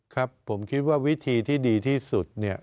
ครับผมคิดว่าวิธีที่ดีที่สุดเนี่ย